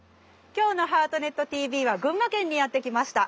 今日の「ハートネットＴＶ」は群馬県にやって来ました。